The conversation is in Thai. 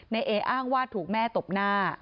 เออ้างว่าถูกแม่ตบหน้า